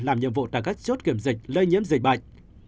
làm nhiệm vụ tại các chốt kiểm dịch lây nhiễm dịch bệnh